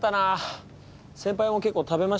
先輩も結構食べましたね。